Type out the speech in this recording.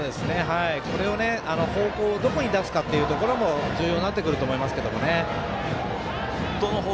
これを方向をどこに出すかというところも重要になってくると思います。